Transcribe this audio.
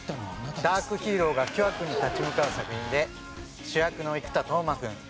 ダークヒーローが巨悪に立ち向かう作品で主役の生田斗真君